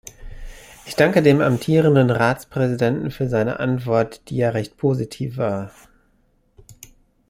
Ich danke dem amtierenden Ratspräsidenten für seine Antwort, die ja recht positiv war.